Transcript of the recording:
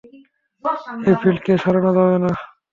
এই ফিল্ডকে সারানো যাবে না?